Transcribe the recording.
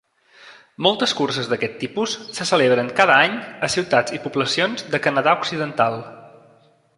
Moltes curses d'aquest tipus se celebren cada any a ciutats i poblacions de Canadà occidental.